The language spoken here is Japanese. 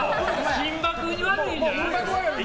「金バク！」に悪いじゃない？